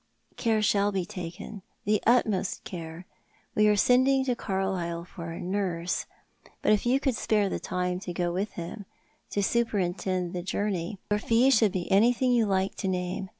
" Care shall be taken — the utmost care. We are sending to Carlisle for a nurse, but if you could spare the time to go with him, to superintend the journey, your fee should be anything you like to name.